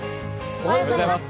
おはようございます。